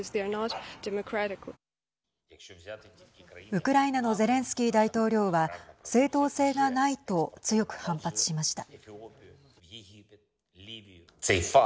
ウクライナのゼレンスキー大統領は正当性がないと強く反発しました。